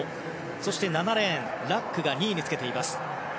そして、７レーンラックが２位につけています。